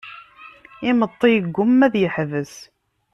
Imeṭṭi yegguma ad yeḥbes.